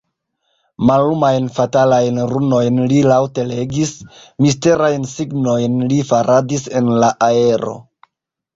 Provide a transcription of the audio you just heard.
Mallumajn, fatalajn runojn li laŭte legis; misterajn signojn li faradis en la aero.